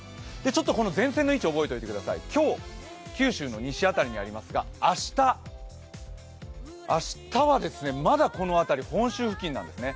この前線の位置を覚えておいてください、今日、九州の西辺りにありますが、明日はまだこの辺り、本州付近なんですね。